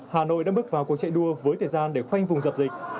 hà nội đã bước vào cuộc chạy đua với thời gian để khoanh vùng dập dịch